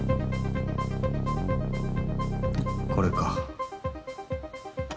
これか。